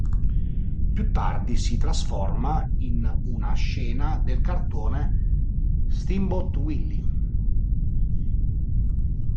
Più tardi si trasforma in una scena del cartone "Steamboat Willie".